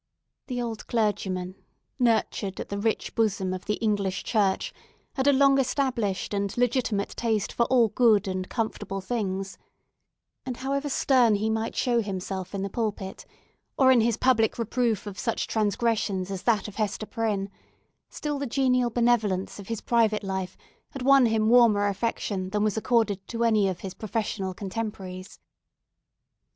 The old clergyman, nurtured at the rich bosom of the English Church, had a long established and legitimate taste for all good and comfortable things, and however stern he might show himself in the pulpit, or in his public reproof of such transgressions as that of Hester Prynne, still, the genial benevolence of his private life had won him warmer affection than was accorded to any of his professional contemporaries.